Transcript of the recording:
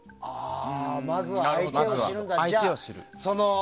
まずは相手を知るんだ。